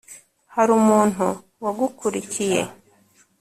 hari umuntu wagukurikiye